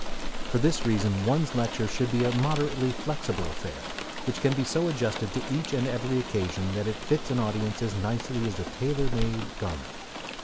For this reason one's lecture should be a moderately flexible affair, which can be so adjusted to each and every occasion that it fits an audience as nicely as a tailor made garment.